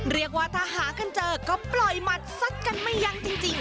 เรียกว่าถ้าหากันเจอก็ปล่อยหมัดซัดกันไม่ยั้งจริง